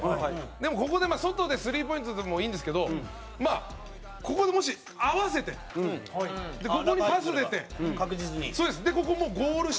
でも、ここで外でスリーポイントでもいいんですけどここで、もし合わせてここにパス出てここ、もう、ゴール下。